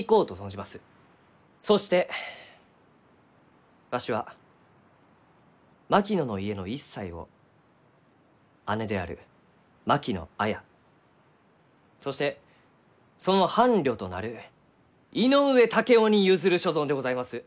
そしてわしは槙野の家の一切を姉である槙野綾そしてその伴侶となる井上竹雄に譲る所存でございます。